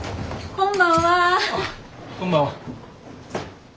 こんばんは。